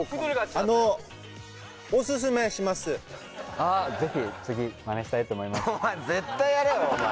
あっぜひ次マネしたいと思います。